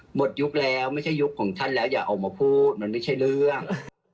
ยุคแล้วไม่ใช่ยุคของท่านแล้วอย่าออกมาพูดมันไม่ใช่เรื่อง